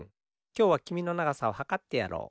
きょうはきみのながさをはかってやろう。